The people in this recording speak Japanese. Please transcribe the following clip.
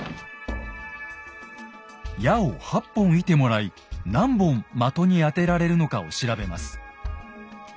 矢を８本射てもらい何本的に当てられるのかを調べます。